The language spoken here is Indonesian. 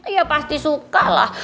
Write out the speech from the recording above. iya pasti suka lah